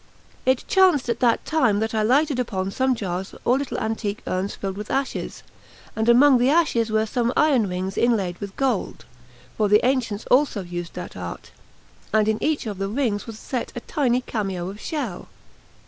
It chanced at that time that I lighted upon some jars or little antique urns filled with ashes, and among the ashes were some iron rings inlaid with gold (for the ancients also used that art), and in each of the rings was set a tiny cameo of shell.